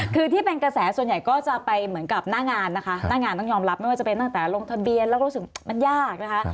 คือที่เป็นกระแสส่วนใหญ่ก็จะไปเหมือนกับหน้างานนะคะหน้างานต้องยอมรับไม่ว่าจะเป็นตั้งแต่ลงทะเบียนแล้วก็รู้สึกมันยากนะคะ